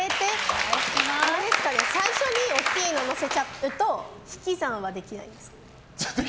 最初に大きいの載せちゃうと引き算はできないんですか？